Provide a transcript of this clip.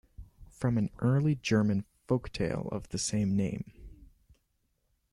From an early German folk tale of the same name.